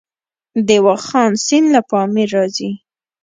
د واخان سیند له پامیر راځي